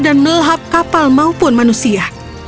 dan melahap kapal maupun manusia